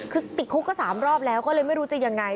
คือติดคุกก็๓รอบแล้วก็เลยไม่รู้จะยังไง